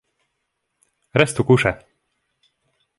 Restu kuŝe.